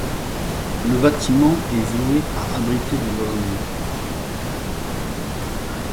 Le bâtiment est voué à abriter des logements.